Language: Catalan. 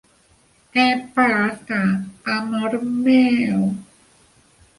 Què passa, amor meu?